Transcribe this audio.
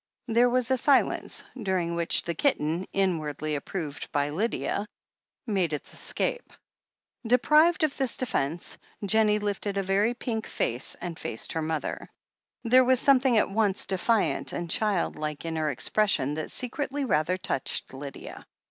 There was a silence, during which the kitten, in wardly approved by Lydia, made its escape. Deprived of this defence, Jennie lifted a very pink face and faced her mother. There was something at once defiant and childlike in her expression that secretly rather touched Lydia.